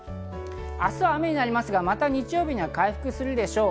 明日は雨になりますが、また日曜日には回復するでしょう。